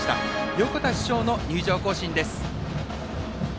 横田主将の入場行進です。